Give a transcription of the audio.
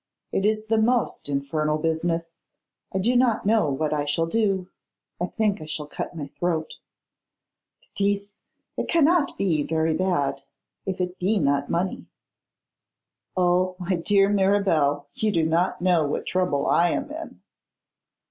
It is the most infernal business; I do not know what I shall do. I think I shall cut my throat.' 'Bêtise! It cannot be very bad, if it be not money.' 'Oh, my dear Mirabel, you do not know what trouble I am in.